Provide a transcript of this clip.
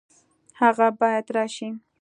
هغه باید راشي